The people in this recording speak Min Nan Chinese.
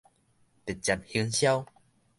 直接行銷